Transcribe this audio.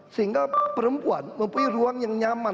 sehingga perempuan mempunyai ruang yang nyaman